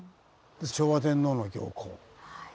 で昭和天皇の行幸。